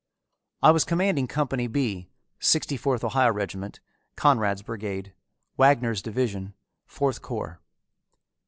I was commanding Company B, Sixty fourth Ohio regiment, Conrad's brigade, Wagner's division, Fourth corps.